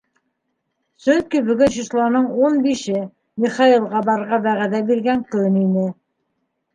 Сөнки бөгөн числоның ун бише — Михаилға барырға вәғәҙә биргән көн ине.